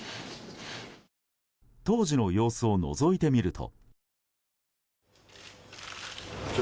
当時の様子をのぞいてみると。